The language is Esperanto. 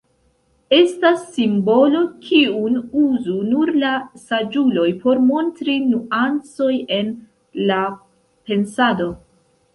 Estas simbolo, kiun uzu nur la saĝuloj por montri nuancoj en la pensado.